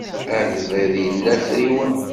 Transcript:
Agḍiḍ ila afriwen.